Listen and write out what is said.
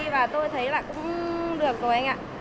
và tôi thấy là cũng được rồi anh ạ